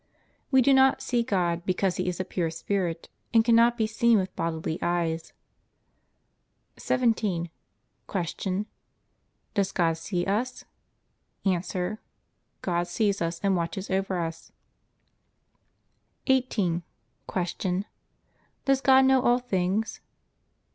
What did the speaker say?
We do not see God, because He is a pure spirit and cannot be seen with bodily eyes. 17. Q. Does God see us? A. God sees us and watches over us. 18. Q. Does God know all things?